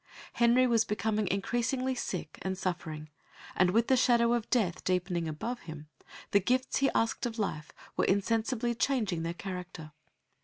Henry was becoming increasingly sick and suffering, and, with the shadow of death deepening above him, the gifts he asked of life were insensibly changing their character.